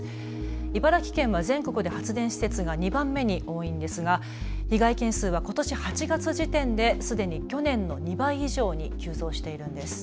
茨城県は全国で発電施設が２番目に多いんですが被害件数はことし８月時点で、すでに去年の２倍以上に急増しているんです。